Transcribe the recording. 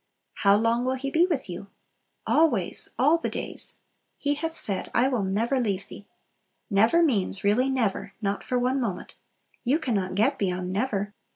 How long will He be with you? Always, "all the days!" He hath said, "I will never leave thee." "Never" means really never, not for one moment. You can not get beyond "never."